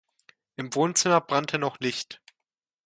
Im Wohnzimmer brannte noch Licht.